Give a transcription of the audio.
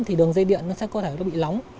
thì đường dây điện sẽ có thể bị lóng